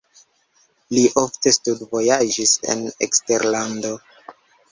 Li ofte studvojaĝis en eksterlando.